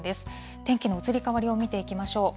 天気の移り変わりを見ていきましょう。